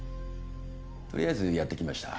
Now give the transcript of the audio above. とりあえずやってきました。